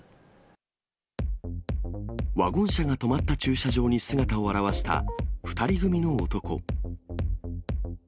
ワゴン車が止まった駐車場に姿を現した２人組の男。